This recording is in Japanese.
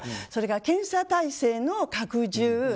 それから検査体制の拡充。